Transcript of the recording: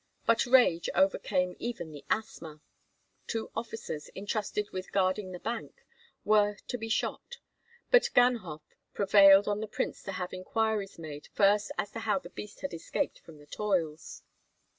But rage overcame even the asthma. Two officers, intrusted with guarding the bank, were to be shot; but Ganhoff prevailed on the prince to have inquiries made first as to how the beast had escaped from the toils.